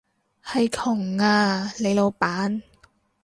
係窮啊，你老闆